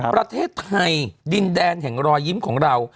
ประเทศไทยดินแดนแห่งรอยยิ้มของเรา